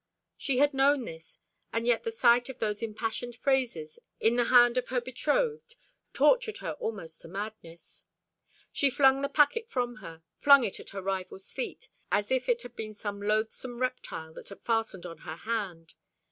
She had known this, and yet the sight of those impassioned phrases in the hand of her betrothed tortured her almost to madness. She flung the packet from her, flung it at her rival's feet, as if it had been some loathsome reptile that had fastened on her hand.